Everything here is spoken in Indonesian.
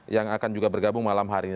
yang akan juga bergabung malam hari ini